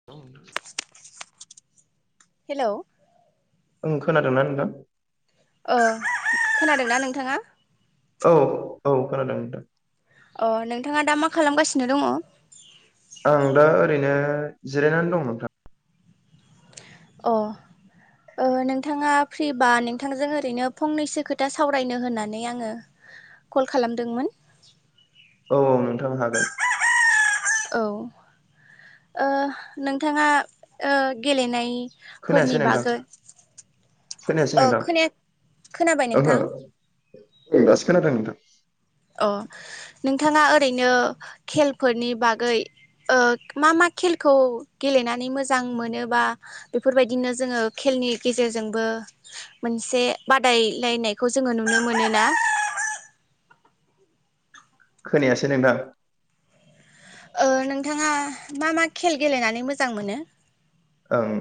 [inaudible] [inaudible] हेल' ओं खोनादोंना नोंथां ओ खोनादोंना नोंथाङा औ औ खोनादों नोंथां अ नोंथाङा दा मा खालामगासिनो दङ? आं दा ओरैनो जिरायनानै दं नोंथां। अ ओ नोंथाङा फ्रिबा नोंथांजों ओरैनो फंनैसो खोथा सावरायनो होननानै आङो कल खालामदोंमोन। औ औ नोंथां हागोन। औ ओ नोंथाङा ओ गेलेनाय खोनायासै फोरनि नोंथां बागै खोनायासै ओ नोंथां खोनाया खोनाबाय ओहो नोंथां दासो खोनादों नोंथां। अ नोंथाङा ओरैनो खेलफोरनि बागै ओ मा मा खेलखौ गेलेनानै मोजां मोनो बा बेफोरबायदिनो जोङो खेलनि गेजेरजोंबो मोनसे बादायलायनायखौ जोङो नुनो मोनो ना खोनायासै नोंथां ओ नोंथाङा मा मा खेल गेलेनानै मोजां मोनो? ओङ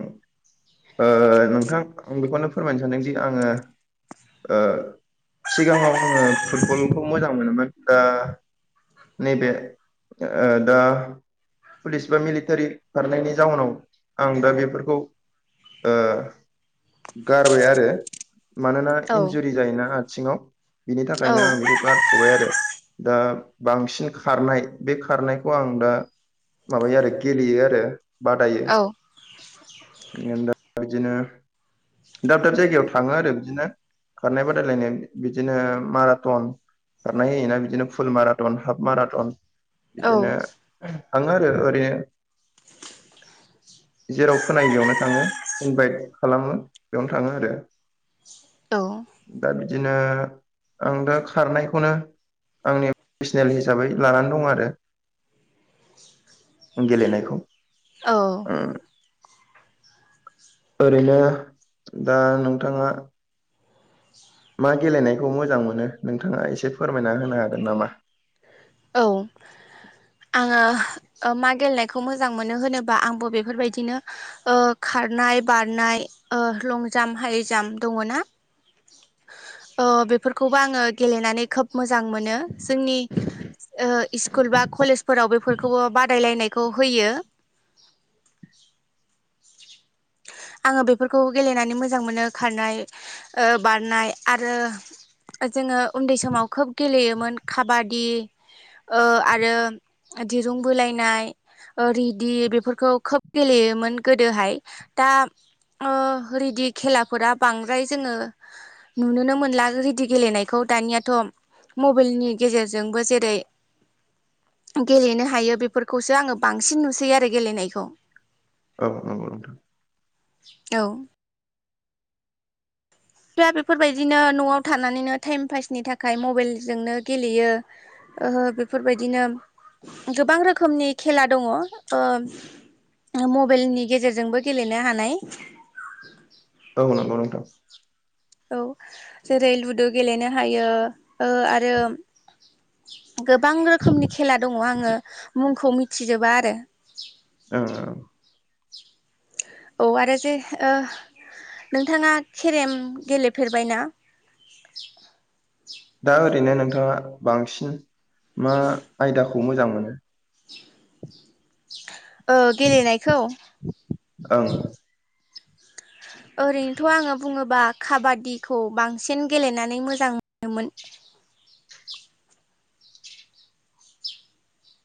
ओ नोंथां आं बेखौनो फोरमायनो सानदोंदि आङो ओ सिगाङाव आङो फुटबलखौ मोजां मोनोमोन दा नैबे ओ दा पुलिसफोर मिलिटारि खारनायनि जाउनाव आं दा बेफोरखौ ओ गारबाय आरो। मानोना औ इन्जुरि जायोना आथिङाव बिनि औ थाखायनो आं बेखौ गारथबाय आरो। दा बांसिन खारनाय बे खारनायखौ आं दा माबायो आरो गेलेयो आरो बादायो औ आं दा बिदिनो दाब दाब जायगायाव थाङो आरो बिदिनो खारनाय बादायलायनाय बिदिनो माराथन खारनाय होयोना बिदिनो फुल माराथन हाफ माराथन बिदिनो थाङो आरो ओरैनो जेराव खोनायो बेयावनो थाङो इनभाइट खालामो बेयावनो थाङो आरो। औ दा बिदिनो आं दा खारनायखौनो आंनि पसनेल हिसाबै लानानै दं आरो। गेलेनायखौ औ ओम ओरैनो दा नोंथाङा मा गेलेनायखौ मोजां मोनो नोंथाङा एसे फोरमायना होनो हागोन नामा? औ आङो मा गेलेनायखौ मोजां मोनो होनोबा आंबो बेफोरबायदिनो ओ खारनाय बारनाय लं जाम्प हाइ जाम्प दङ ना? ओ बेफोरखौबो आङो गेलेनानै खोब मोजां मोनो। जोंनि स्कुल बा कलेजफोराव बादायलायनायखौ होयो। आङो बेफोरखौ गेलेनानै मोजां मोनो खारनाय बारनाय आरो जोङो उन्दै समाव खोब गेलेयोमोन खाबादि ओ आरो दिरुं बोलायनाय रिदि बेफोरखौ खोब गेलेयोमोन गोदोहाय दा ओ रिदि खेलाफोरा बांद्राय जोङो नुुनोनो मोनला रिदि गेलेनायखौ दानियाथ मबाइलनि गेजेरजोंबो जेरै- गेलेनो हायो बेफोरखौसो आङो बांसिन नुसैयो आरो गेलेनायखौ। औ औ नोंथां औ दा बेफोरबायदिनो नआव थानानैनो टाइम पासनि थाखाय मबाइलजोंनो गेलेयो। ओ बेफोरबायदिनो गोबां रोखोमनि खेला दङ ओ मबाइलनि गेजेरजोंबो गेलेनो हानाय औ नंगौ नोंथां औ जेरै लुदु गेलेनो हायो ओ आरो गोबां रोखोमनि खेला दङ' आङो मुंखौ मिथिजोबा आरो ओ औ आरो दे ओ नोंथाङा केेरेम गेलेफेरबाय ना? दा ओरैनो नोंथाङा बांसिन मा आयदाखौ मोजां मोनो? औ गेलेनायखौ? औ ओरैनोथ' आङो बुङोबा काबादिखौ बांसिन गेलेनानै मोजां मोनोमोन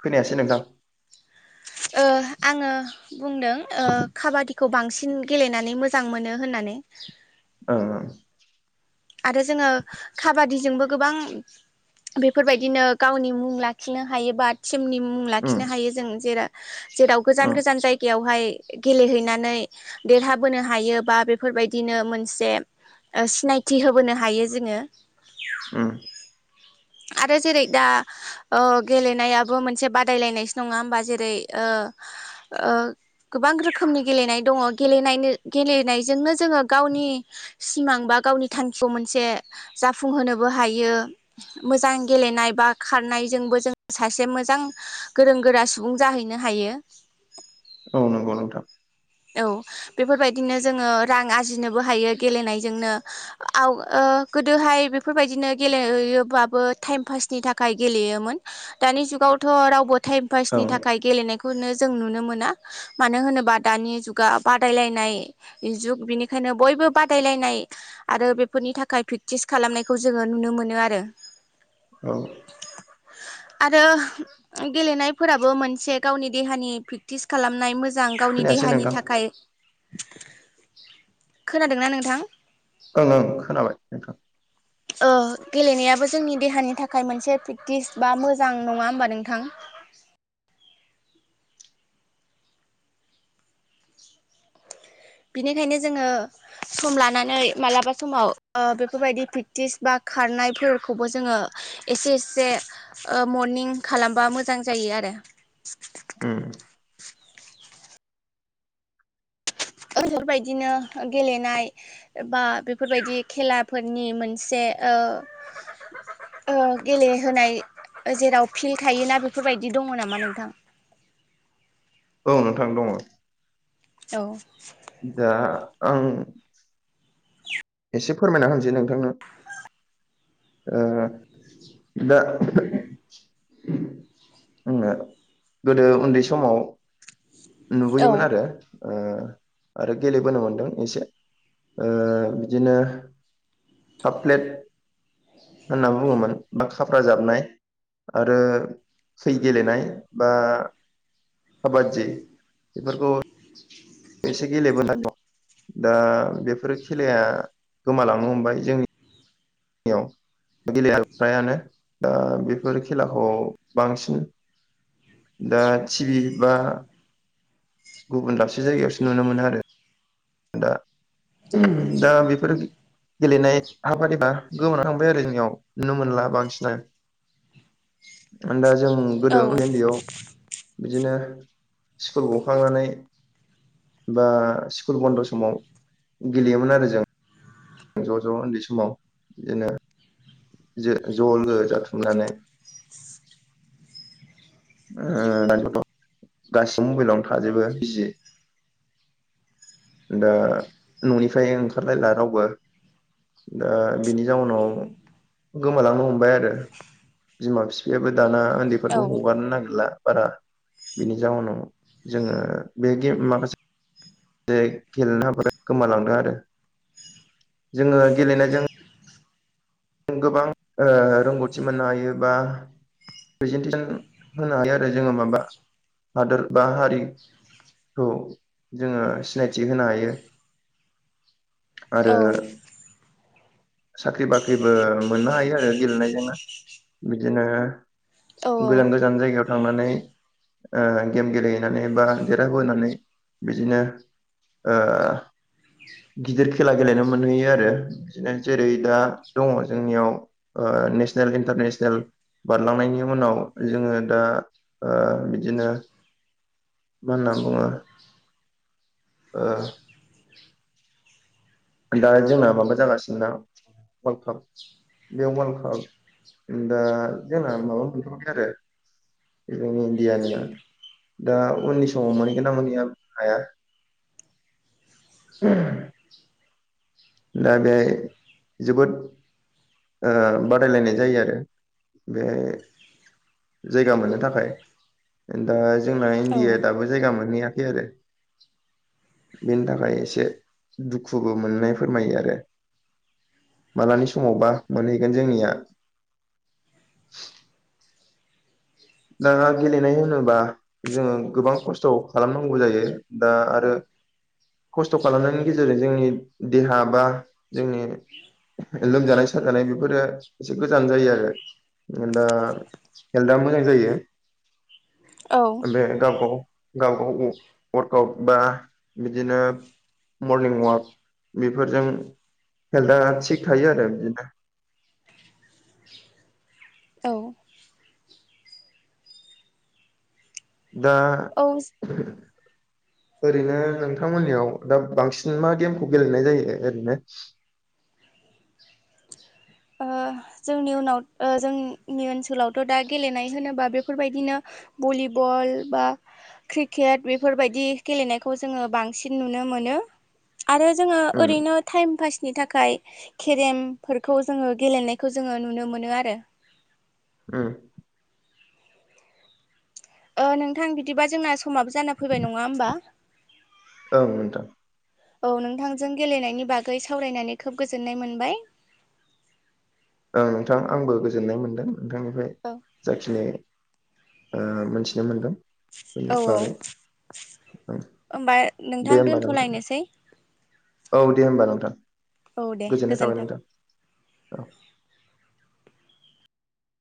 खोनायासै नोंथां? ओ आङो बुंदों ओ काबादि खौ बांसिन गेलेनानै मोजां मोनो होननानै। ओ आरो जोङो खाबादिजोंबो गोबां बेफोरबायदिनो गावनि मुं लाखिनो हायो बा टिमनि मुं ओं लाखिनो हायो जों जेर जेराव गोजान ओम गोजान जायगायावहाय गेलेहैनानै देरहाबोनो हायो बा बेफोरबायदिनो मोनसे सिनायथि होबोनो हायो जोङो उम आरो जेरै दा ओ गेलेनायाबो मोनसे बादायलायनायसो नङा होमबा जेरै ओ ओ गोबां रोखोमनि गेलेनाय दङ गेलेनायनो-गेलेनायजोंनो जोङो गावनि सिमां बा गावनि थांखिखौ मोनसे जाफुंहोनोबो हायो। मोजां गेलेनाय बा खारनायजोंबो जों सासे मोजां गोरों गोरा सुबुं जाहैनो हायो। औ नंगौ नोंथां। औ बेफोरबायदिनो जोङो रां आरजिनोबो हायो गेलेनायजोंनो। आव ओ गोदोहाय बेफोरबायदिनो गेलेयोब्लाबो टाइम पासनि थाखाय गेलेयोमोन। दानि जुगावथ' रावबो टाइम पासनि ओं थाखाय गेलेनायखौनो जों नुनो मोना मानो होनोबा दानि जुगा बादायलायनायनि जुग बेनिखायनो बयबो बादायलायनाय आरो बेफोरनि थाखाय प्रेक्टिस खालामनायखौ जोङो नुनो मोनो आरो। औ। आरो गेलेनायफोराबो मोनसे गावनि देहानि प्रेक्टिस खालामनाय मोजां गाव नि खोनायासै देहानि नोंथां थाखाय खोनादोंना नोंथां? ओं ओं खोनाबाय नोंथां। ओ गेलेनायाबो जोंनि देहानि थाखाय मोनसे प्रेक्टिस बा मोजां नङा होमबा नोंथां? बिनिखायनो जोङो सम लानानै मालाबा समाव ओ बेफोरबायदि प्रेक्टिस बा खारनायफोरखौबो जोङो इसे इसे ओ मरनिं खालामबा मोजां जायो आरो। उम। बेफोरबायदिनो गेलेनाय एबा बेफोरबायदि खेलाफोरनि मोनसे ओ ओ गेलेहोनाय जेराव फिल्ड थायोना बेफोरबायदि दङ नामा नोंथां? औ नोंथां दङ। औ। दा आं एसे फोरमायना होनोसै नोंथांनो। ओ दा जोङो गोदो उन्दै समाव औ नुबोयोमोन आरो ओ आरो गेलेबोनो मोनदों एसे बिदिनो काफ प्लेट होनना बुङोमोन बा खाफ्रा जाबनाय। आरो सै गेलेनाय बा काबादि। बेफोरखौ एसे गेलेबोनाय दं दा बेफोरो खेलाया गोमालांनो हमबाय जोंनि याव गेलेया फ्रायानो। दा बेफोर खेलाखौ बांसिन दा टिभि बा गुबुन दाबसे जायगायावसो नुनो मोनो आरो। दा उम दा बेफोरबायदि गेलेनाय हाबाफारिबा गोमाना थांबाय आरो जोंनियाव नुनो मोनला बांसिना [unintelligible] दा जों औ गोदो उन्दै उन्दैयाव बिदिनो स्कुल गखांनानै बा स्कुल बन्द' समाव गेलेयोमोन आरो जों ज' ज' उन्दै समाव बिदिनो जे ज' लोगो जाथुमनानै ओ दाथ' गासिबो मबाइलावनो थाजोबो बिजि दा न'निफ्राय ओंखारलायला रावबो दा बिनि जाउनाव गोमालांनो हमबाय आरो बिमा बिफायाबो दाना औ उन्दैफोरखौ [unintelligible] नागिरला बारा बिनि जाउनाव जोङो बे गेम माखासेखो जे गेलेनाफोरा गोमालांदों आरो जोङो गेलेनायजों गोबां ओ रोंगौथि मोननो हायो बा प्रेजेनटेसन होनो हायो आरो जोङो माबा हादोर बा हारि खौ जोङो सिनायथि होनो हायो। आरो औ साख्रि बाख्रि रिबो मोननो आरो बिदिनो औ गोजान गोजान जायगायाव थांनानै ओ गेम गेलेहैनानै बा देरहाबोनानै बिदिनो ओ गिदिर खेला गेलेनो मोनहैयो आरो बिदिनो जेरै दा दङ जोंनियाव ओ नेसनेल इन्टारनेसनेल बारलांनायनि उनाव जोङो दा ओ बिदिनो मा होनना बुङो ओ दा जोंना माबा जागासिनोना वालकाप बेयाव वार्ल्ड काप दा जोंना माबा मोनथ'बाय आरो जोंनि इण्डियानिया दा उननि समाव मोनहैगोन ना मोनहैया बुंनो हाया [inaudible] दा बेहाय जोबोद ओ बादायलायनाय जायो आरो बे जायगा मोननो थाखाय दा जोंना इण्डियाया दाबो जायगा मोनहैयाखै आरो बेनि थाखाय एसे दुखुबो मोननाय फोरमायो आरो मालानि समावबा मोनहैगोन जोंनिया दा गेलेनाय होनोबा जोङो गोबां खस्थ' खालामनांगौ जायो दा आरो खस्थ' खालामनायनि गेजेरजों जोंनि देहा बा जोंनि लोमजानाय साजानाय बेफोरो एसे गोजान जायो आरो। दा हेल्था मोजां जायो औ औ ओमफ्राय गाव गाव गाव गाव अर्कआव बा बिदिनो मरनिं अवाक बेफोरजों हेल्था थिग थायो आरो बिदिनो। औ दा औस। ओरैनो नोंथांमोननियाव दा बांसिन मा गेमखौ गेलेनाय जायो ओरैनो। जोंनि उनाव जोंनि ओनसोलावथ' दा गेलेनाय होनोबा बेफोरबायदिनो भलिबल बा क्रिकेट बेफोरबायदि गेलेनायखौ जोङो बांसिन नुनो मोनो। आरो जोङो उम ओरैनो टाइम पासनि थाखाय केरेमफोरखौ जोङो गेलेनाय खौ जोङो नुनो मोनो आरो। उम। ओ नोंथां बिदिबा जोंना समाबो जाना फैबाय नङा होमबा? औ नोंथां। औ नोंथांजों गेलेनायनि बागै सावरायनानै खोब गोजोननाय मोनबाय। ओं नोंथां आंबो गोजोननाय मोन्दों नोंथांनिफ्राय औ जाखिनि ओ मोनथिनो मोनदों। बेनि औ औ। बागै ओं होमबा नोंथां दे होमबा नोंथां दोनथ'लायनोसै। औ दे होमबा नोंथां। औ दे गोजोननाय थाबाय गोजोन्थों। नोंथां औ